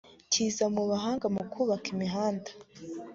kiza mu bahanga mu kubaka imihanda